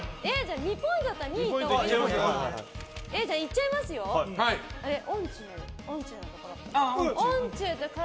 ２ポイントだったら２位行ったほうがいいか。